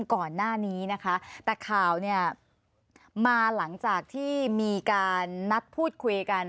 ก่อนหน้านี้นะคะแต่ข่าวเนี่ยมาหลังจากที่มีการนัดพูดคุยกัน